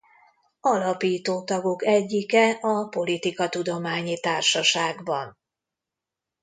Alapító tagok egyike a Politikatudományi Társaságban.